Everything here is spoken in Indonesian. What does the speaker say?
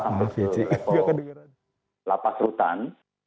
di jenpas atau lapas rutan